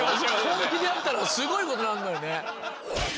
本気でやったらすごいことなんのよね。